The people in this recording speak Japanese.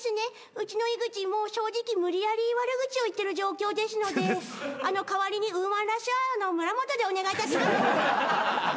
うちの井口もう正直無理やり悪口を言ってる状況ですので代わりにウーマンラッシュアワーの村本でお願いいたします。